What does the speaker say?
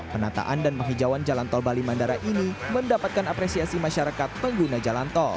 penataan dan penghijauan jalan tol bali mandara ini mendapatkan apresiasi masyarakat pengguna jalan tol